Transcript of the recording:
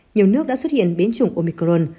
nhiều nước đã xuất hiện biến chủng omicron